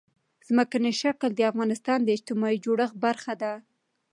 ځمکنی شکل د افغانستان د اجتماعي جوړښت برخه ده.